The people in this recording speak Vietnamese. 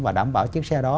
và đảm bảo chiếc xe đó